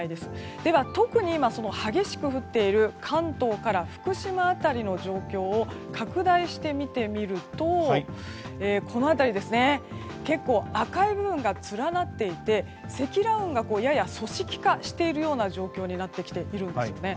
では、特に今激しく降っている関東から福島辺りの状況を拡大して見てみると結構、赤い部分がつらなっていて積乱雲がやや組織化している状況になってきているんですよね。